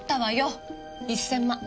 １０００万。